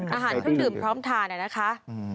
อาหารเพิ่มดื่มลำก้อนทาน